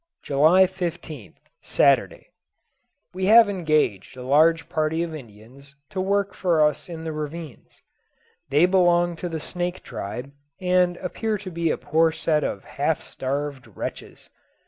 July 15th, Saturday. We have engaged a large party of Indians to work for us in the ravines. They belong to the Snake tribe, and appear to be a poor set of half starved wretches.